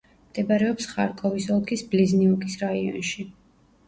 მდებარეობს ხარკოვის ოლქის ბლიზნიუკის რაიონში.